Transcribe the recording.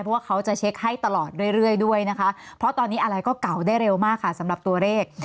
เพราะว่าเขาจะเช็คให้ตลอดเรื่อยด้วยนะคะเพราะตอนนี้อะไรก็เก่าได้เร็วมากค่ะสำหรับตัวเลข